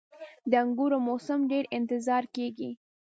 • د انګورو موسم ډیر انتظار کیږي.